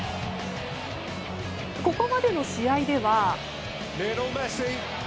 ここまでの試合では。